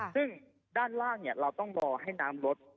ซึ่งด้านล่างเราต้องรอให้น้ำลด